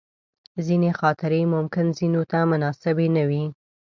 ځینې خاطرې ممکن ځینو ته مناسبې نه وي.